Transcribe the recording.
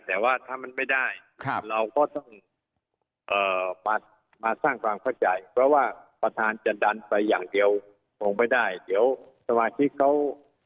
แต่ว่าถ้ามันไม่ได้เราก็ต้องมาสร้างความเข้าใจเพราะว่าประธานจะดันไปอย่างเดียวคงไม่ได้เดี๋ยวสมาชิกเขา